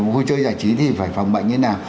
vui chơi giải trí thì phải phòng bệnh như thế nào